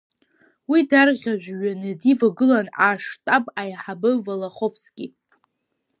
Уи дарӷьажәҩаны дивагылан аштаб аиҳабы Волоховски.